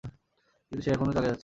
কিন্তু সে এখনও চালিয়ে যাচ্ছে।